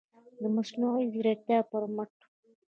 د مصنوعي ځیرکتیا پر مټ